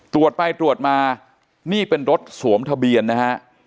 ตรวจไปตรวจมานี่เป็นรถสวมทะเบียนนะฮะ